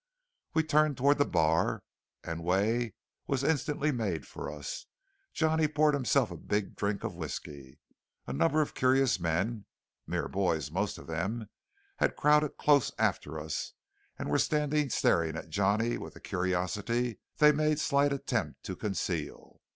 We turned toward the bar and way was instantly made for us. Johnny poured himself a big drink of whiskey. A number of curious men, mere boys most of them, had crowded close after us, and were standing staring at Johnny with a curiosity they made slight attempt to conceal.